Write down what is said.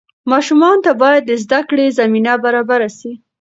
ماشومانو ته باید د زده کړې زمینه برابره سي.